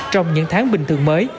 trong những tháng bình thường mới